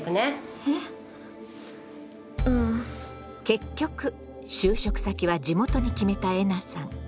結局就職先は地元に決めたえなさん。